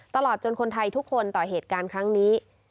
ตลอดจนคนไทยทุกคนต่อเหตุการณ์ครั้งนี้